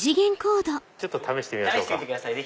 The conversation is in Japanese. ちょっと試してみましょうか。